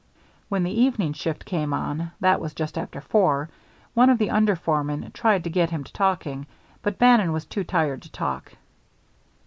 When the evening shift came on that was just after four one of the under foremen tried to get him to talking, but Bannon was too tired to talk.